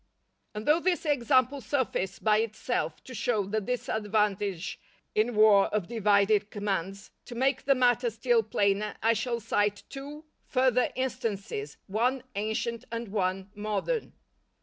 _" And though this example suffice by itself to show the disadvantage in war of divided commands, to make the matter still plainer I shall cite two further instances, one ancient and one modern.